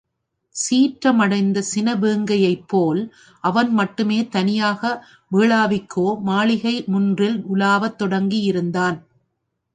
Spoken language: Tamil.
சீற்றமடைந்த சினவேங்கையைப்போல் அவன் மட்டுமே தனியாக வேளாவிக்கோ மாளிகை முன்றில் உலாவத் தொடங்கியிருந்தான்.